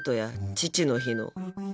父の日の。